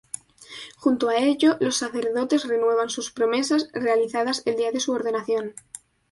Junto a ello, los sacerdotes renuevan sus promesas realizadas el día de su ordenación.